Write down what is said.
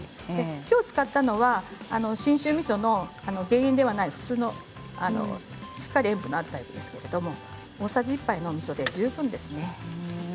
きょう使ったのは信州みその減塩ではない普通のしっかり塩分のあるみそですけれども大さじ１杯のみそで十分ですね。